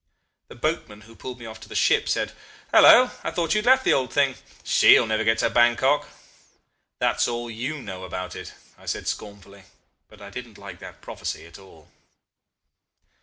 The boatman who pulled me off to the ship said: 'Hallo! I thought you had left the old thing. She will never get to Bankok.' 'That's all you know about it,' I said scornfully but I didn't like that prophecy at all.